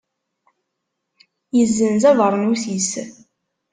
Yezzenz abernus-is.